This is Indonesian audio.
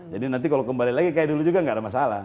nanti kalau kembali lagi kayak dulu juga nggak ada masalah